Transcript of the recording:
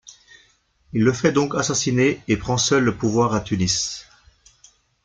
Il le fait donc assassiner et prend seul le pouvoir à Tunis.